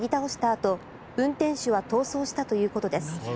あと運転手は逃走したということです。